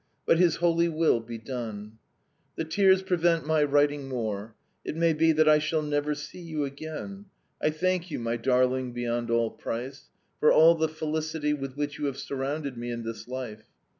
"But His holy will be done! "The tears prevent my writing more. It may be that I shall never see you again. I thank you, my darling beyond all price, for all the felicity with which you have surrounded me in this life.